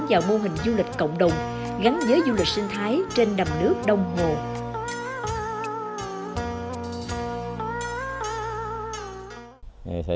vào mô hình du lịch cộng đồng gắn với du lịch sinh thái trên đầm nước đông hồ